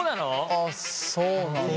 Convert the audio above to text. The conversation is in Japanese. あっそうなんだ。